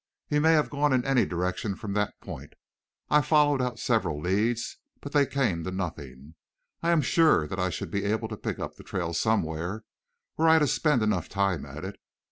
He may have gone in any direction from that point. I followed out several leads, but they came to nothing. I am sure that I should be able to pick up the trail somewhere were I to spend enough time at it.